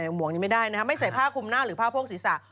หมวกนี้ไม่ได้นะครับไม่ใส่ผ้าคุมหน้าหรือผ้าโพกศีรษะ